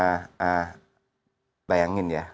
nah bayangin ya